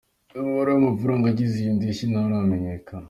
Umubare w’amafaranga agize iyo ndishyi nturamenyekana.